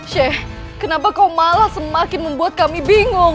sheikh kenapa kau malah semakin membuat kami bingung